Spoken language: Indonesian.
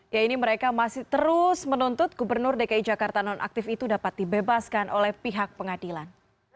ya ini mereka masih terus menuntut gubernur dki jakarta nonaktif itu dapat dibebaskan oleh pihak pengadilan